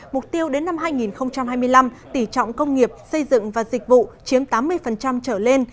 mục tiêu đến năm hai nghìn hai mươi năm tỉ trọng công nghiệp xây dựng và dịch vụ chiếm tám mươi trở lên